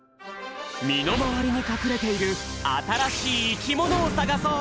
みのまわりにかくれているあたらしいいきものをさがそう！